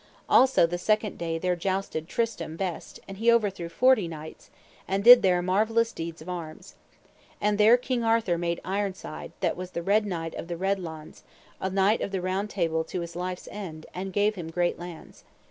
Also the second day there jousted Tristram best, and he overthrew forty knights, and did there marvellous deeds of arms. And there King Arthur made Ironside, that was the Red Knight of the Red Launds, a Knight of the Table Round to his life's end, and gave him great lands.